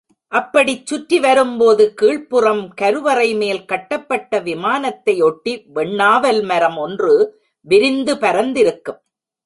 அப்படிச் சுற்றி வரும்போது கீழ்ப்புறம் கருவறை மேல் கட்டப்பட்ட விமானத்தை ஒட்டி வெண்நாவல் மரம் ஒன்று விரிந்து பரந்திருக்கும்.